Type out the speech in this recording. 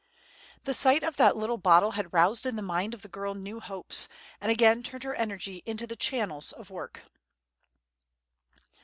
The sight of that little bottle had roused in the mind of the girl new hopes, and again turned her energies into the channel of work.